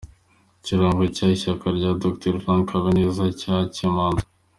Ikirango cy’ Ishyaka rya Dr Frank Habineza cyakemanzwe .